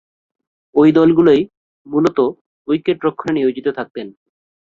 ঐ দলগুলোয় মূলতঃ উইকেট-রক্ষণে নিয়োজিত থাকতেন।